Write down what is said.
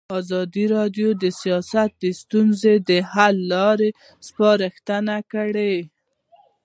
ازادي راډیو د سیاست د ستونزو حل لارې سپارښتنې کړي.